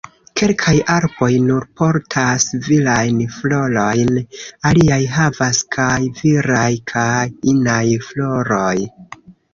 Kelkaj arboj nur portas virajn florojn.. Aliaj havas kaj viraj kaj inaj floroj.